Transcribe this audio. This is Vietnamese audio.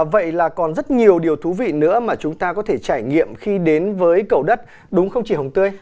vậy là còn rất nhiều điều thú vị nữa mà chúng ta có thể trải nghiệm khi đến với cầu đất đúng không chị hồng tươi